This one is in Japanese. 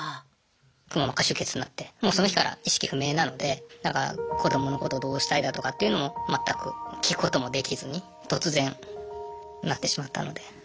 くも膜下出血になってもうその日から意識不明なのでだから子どものことどうしたいだとかっていうのも全く聞くこともできずに突然なってしまったので。